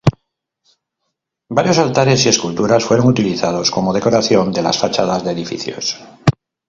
Varios altares y esculturas fueron utilizados como decoración de las fachadas de edificios.